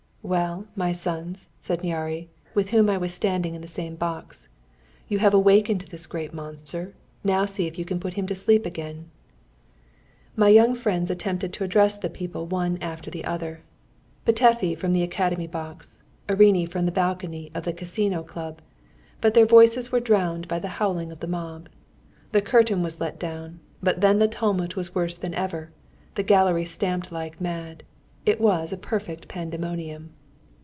"Well, my sons," said Nyáry, with whom I was standing in the same box, "you have awakened this great monster, now see if you can put him to sleep again!" My young friends attempted to address the people one after the other, Petöfi from the Academy box, Irinyi from the balcony of the Casino club, but their voices were drowned in the howling of the mob. The curtain was let down, but then the tumult was worse than ever; the gallery stamped like mad; it was a perfect pandemonium.